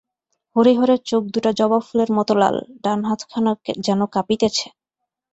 হরিহরের চোখ দুটা জবাফুলের মতো লাল, ডান হাতখানা যেন কাঁপিতেছে।